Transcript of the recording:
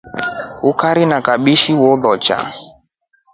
Ukari na kabeshi ulosu.